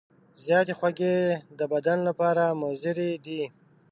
زیاتې خوږې د بدن لپاره مضرې دي.